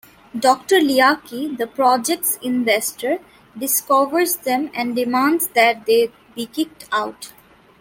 Doctor Leaky, the project's investor, discovers them and demands that they be kicked out.